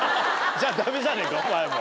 じゃあダメじゃねえかお前も。